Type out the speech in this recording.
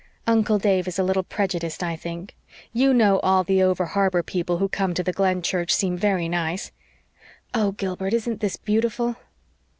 "Uncle Dave is a little prejudiced, I think. You know all the over harbor people who come to the Glen Church seem very nice. Oh, Gilbert, isn't this beautiful?"